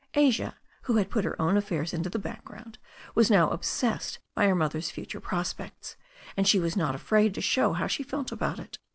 Asia, who had put her own affairs into the background, was now obsessed by her mother's future prospects, and she was not afraid to show how she felt about it.